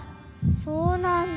そうなんだ。